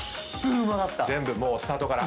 全部もうスタートから？